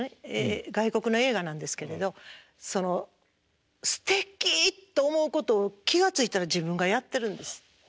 外国の映画なんですけれどすてきと思うことを気が付いたら自分がやってるんです。